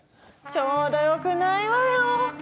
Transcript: ちょうどよくないわよ！